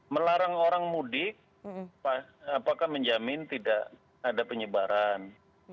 melarang orang mudik apakah menjamin tidak ada penyebaran